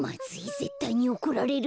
ぜったいにおこられる。